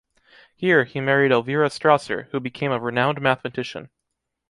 Here, he married Elvira Strasser, who became a renowned mathematician.